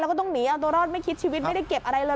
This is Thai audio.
แล้วก็ต้องหนีเอาตัวรอดไม่คิดชีวิตไม่ได้เก็บอะไรเลย